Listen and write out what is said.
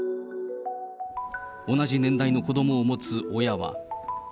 同じ年代の子どもを持つ親は。